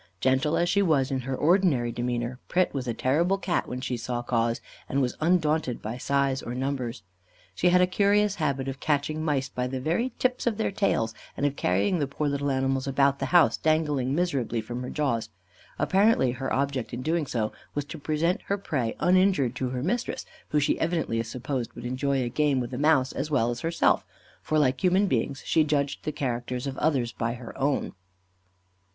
Gentle as she was in her ordinary demeanour, Pret was a terrible Cat when she saw cause, and was undaunted by size or numbers. She had a curious habit of catching mice by the very tips of their tails, and of carrying the poor little animals about the house, dangling miserably from her jaws. Apparently her object in so doing was to present her prey uninjured to her mistress, who she evidently supposed would enjoy a game with a mouse as well as herself, for like human beings she judged the characters of others by her own.